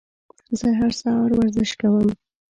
زه هر سهار ورزش کوم.